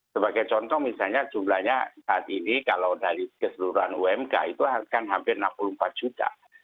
sebagai contoh misalnya jumlahnya saat ini kalau dari keseluruhan umk itu kan hampir enam puluh empat juta